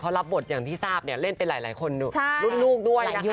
เขารับบทอย่างที่ทราบเล่นไปหลายคนรุ่นด้วยนะครับ